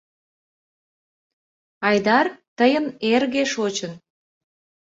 Айдар, тыйын эрге шочын.